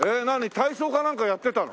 体操かなんかやってたの？